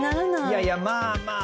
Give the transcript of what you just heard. いやいやまあまあ。